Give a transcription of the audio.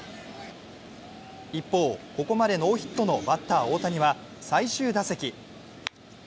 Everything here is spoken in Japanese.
一方、ここまでノーヒットのバッター・大谷は最終打席。